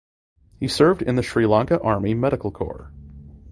He served in the Sri Lanka Army Medical Corps.